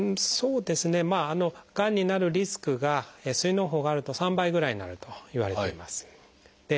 がんになるリスクが膵のう胞があると３倍ぐらいになるといわれています。